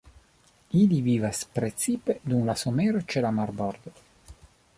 Ili vivas precipe dum la somero ĉe la marbordo.